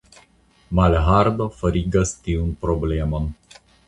Malhardo forigas tiun problemon.